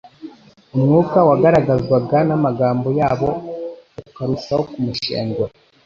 umwuka wagaragazwaga n'amagambo yabo, ukarushaho kumushengura.